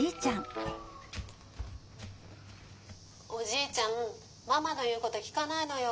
「おじいちゃんママの言うこと聞かないのよ。